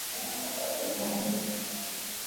wakati taifa la afrika kusini lenyewe likijiandaa